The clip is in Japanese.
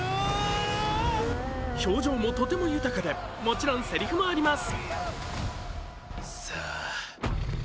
表情もとても豊かでもちろん、せりふもあります。